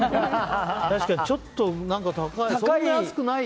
確かに、ちょっと高い。